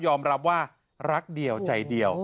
รับว่ารักเดียวใจเดียว